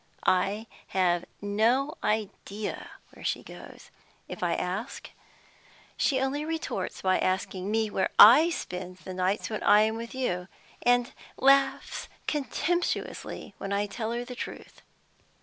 I have no idea where she goes to. If I ask, she only retorts by asking me where I spend the nights when I am with you, and laughs contemptuously when I tell her the truth.